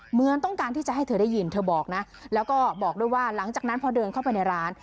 เหมือนต้องการที่จะให้เธอได้ยินเธอบอกนะแล้วก็บอกด้วยว่าหลังจากนั้นพอเดินเข้าไปในร้าน